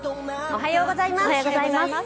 おはようございます。